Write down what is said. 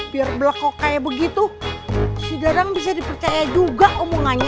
biar blokok kayak begitu si gadang bisa dipercaya juga omongannya